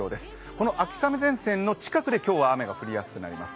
この秋雨前線の近くで今日は雨が降りやすくなります。